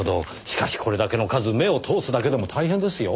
しかしこれだけの数目を通すだけでも大変ですよ。